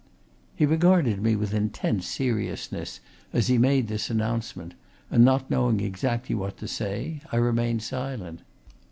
He regarded me with intense seriousness as he made this announcement, and not knowing exactly what to say, I remained silent.